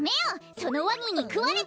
そのワニにくわれて！